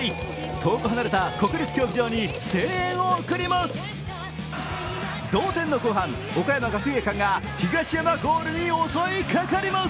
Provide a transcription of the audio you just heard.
遠く離れた国立競技場に声援を送ります。